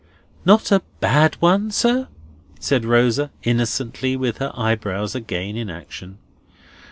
"Not a bad one, sir?" said Rosa, innocently, with her eyebrows again in action.